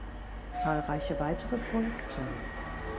Zahlreiche weitere folgten.